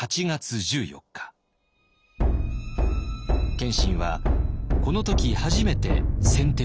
謙信はこの時初めて先手を取ります。